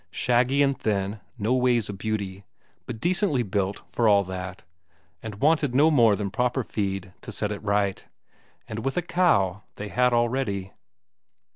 Shaggy and thin, no ways a beauty, but decently built for all that, and wanted no more than proper feed to set it right. And with a cow they had already....